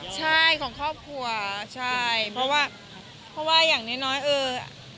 ใช่ก็ของครอบครัวเพราะว่ายังนึง